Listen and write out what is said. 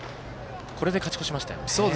これで勝ち越しました。